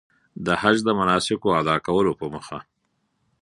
د حج د مناسکو ادا کولو په موخه.